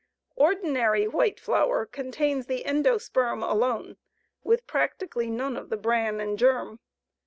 Ordinary white flour contains the endosperm alone, with practically none of the bran and germ.